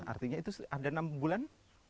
artinya itu ada enam bulan